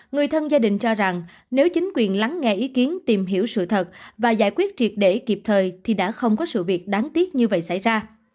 người thân gia đình cho rằng nếu chính quyền lắng nghe ý kiến tìm hiểu sự thật và giải quyết triệt để kịp thời thì đã không có sự việc đáng tiếc như vậy xảy ra